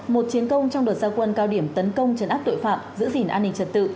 một chiến công trong đợt giao quân cao điểm tấn công chấn áp tội phạm giữ gìn an ninh trật tự